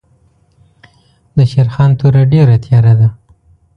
دشېرخان توره ډېره تېره ده.